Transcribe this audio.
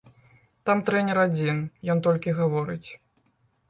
Там трэнер адзін, ён толькі гаворыць.